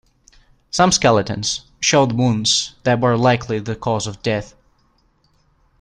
Some skeletons showed wounds that were likely the cause of death.